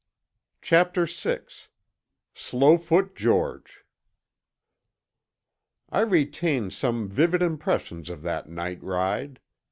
CHAPTER VI—SLOWFOOT GEORGE I retain some vivid impressions of that night ride.